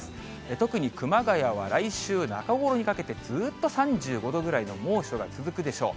特に熊谷は来週中ごろにかけて、ずっと３５度ぐらいの猛暑が続くでしょう。